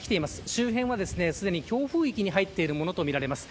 周辺は、すでに強風域に入っているものとみられます。